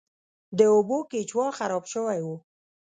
د اوبو کیچوا خراب شوی و.